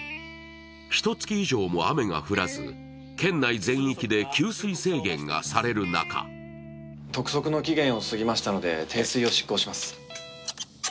ひと月以上も雨が降らず県内全域で給水制限がされる中督促の期限を過ぎましたので停水を執行します。